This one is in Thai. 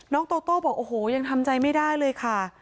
โตโต้บอกโอ้โหยังทำใจไม่ได้เลยค่ะ